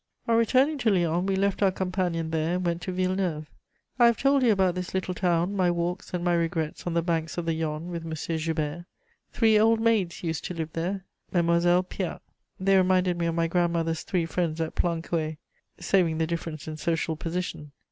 On returning to Lyons we left our companion there, and went to Villeneuve. I have told you about this little town, my walks and my regrets on the banks of the Yonne with M. Joubert. Three old maids used to live there, Mesdemoiselles Piat; they reminded me of my grandmother's three friends at Plancoët, saving the difference in social position.